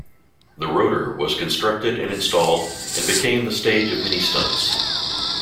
The Rotor was constructed and installed, and became the stage of many stunts.